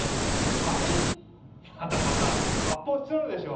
またまた発泡スチロールでしょ？